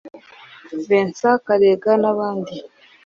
Vincent Karega n’abandi